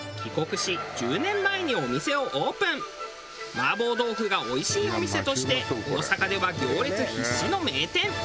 麻婆豆腐がおいしいお店として大阪では行列必至の名店。